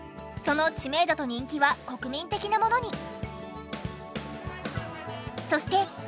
その知名度と人気は国民的なものに。